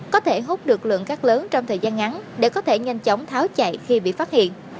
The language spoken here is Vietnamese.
có thể hút được lượng cát lớn trong thời gian ngắn để có thể nhanh chóng tháo chạy khi bị phát hiện